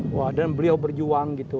wah dan beliau berjuang gitu